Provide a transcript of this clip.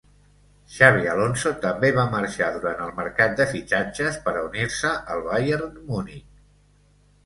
Xabi Alonso també va marxar durant el mercat de fitxatges per a unir-se al Bayern Munich.